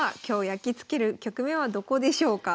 やきつける局面はどこでしょうか？